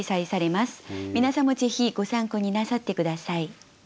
皆さんもぜひご参考になさって下さい。